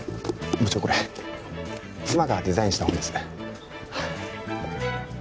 部長これ妻がデザインした本です